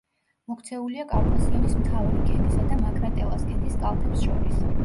მოქცეულია კავკასიონის მთავარი ქედისა და მაკრატელას ქედის კალთებს შორის.